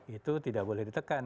itu tidak boleh ditekan